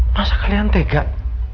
masa kalian tegak